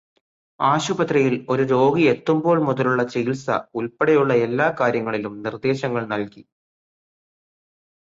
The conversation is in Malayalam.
ആശുപത്രിയില് ഒരു രോഗി എത്തുമ്പോള് മുതലുള്ള ചികിത്സ ഉള്പ്പെടെയുള്ള എല്ലാ കാര്യങ്ങളിലും നിര്ദേശങ്ങള് നല്കി.